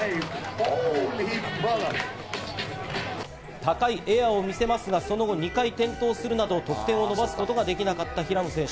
高いエアを見せますが、その後、２回転倒するなど得点を伸ばすことができなかった平野選手。